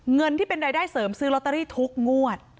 เงินที่เป็นรายได้เสริมซื้อลอตเตอรี่ทุกงวด